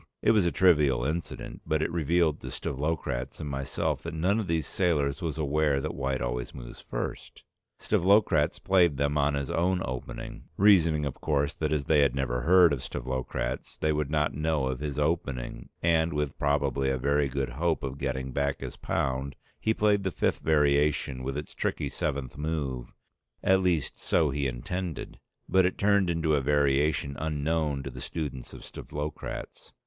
It was a trivial incident, but it revealed to Stavlokratz and myself that none of these sailors was aware that white always moves first. Stavlokratz played them on his own opening, reasoning of course that as they had never heard of Stavlokratz they would not know of his opening; and with probably a very good hope of getting back his pound he played the fifth variation with its tricky seventh move, at least so he intended, but it turned to a variation unknown to the students of Stavlokratz.